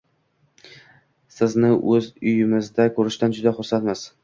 Sizni o'z uyimizda ko'rishdan juda xursandmiz.